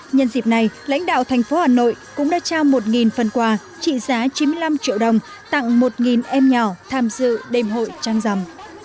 nhân dịp này lãnh đạo thành phố hà nội cũng đã trao một phần quà trị giá chín mươi năm triệu đồng tặng một em nhỏ tham dự đêm hội trăng rằm